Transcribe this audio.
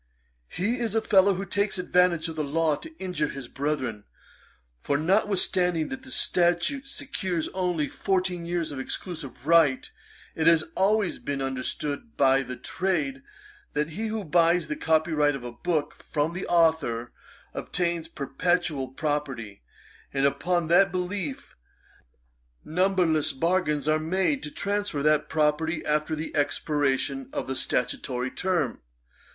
'He is a fellow who takes advantage of the law to injure his brethren; for, notwithstanding that the statute secures only fourteen years of exclusive right, it has always been understood by the trade, that he, who buys the copyright of a book from the authour, obtains a perpetual property; and upon that belief, numberless bargains are made to transfer that property after the expiration of the statutory term.